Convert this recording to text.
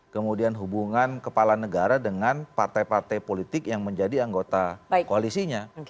kemudian hubungan kepala negara dengan partai partai politik yang menjadi anggota koalisinya